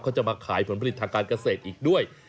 จะมาขายผลผลิตทางการเกษตรอีกด้วย